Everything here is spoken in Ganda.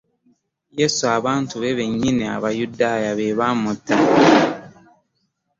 Yesu abantu be bennyinj abayudaaya be baamutta.